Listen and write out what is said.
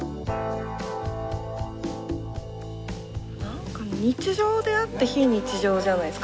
なんか日常であって非日常じゃないですか？